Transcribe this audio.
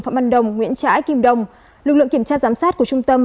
phạm văn đồng nguyễn trãi kim đồng lực lượng kiểm tra giám sát của trung tâm